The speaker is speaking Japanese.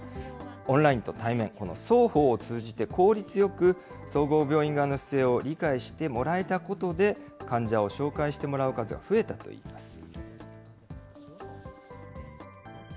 オンラインと対面、この双方を通じて、効率よく総合病院側の姿勢を理解してもらえたことで、患者を紹介してもらう数が増えたといいます。